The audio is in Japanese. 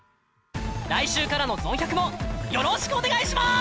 来週からの「ゾン１００」もよろしくお願いします！